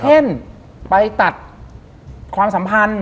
เช่นไปตัดความสัมพันธ์